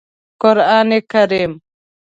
قرآن کریم